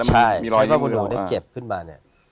ใช้ผ้าคุณหนูแล้วเก็บขึ้นมาเนี่ย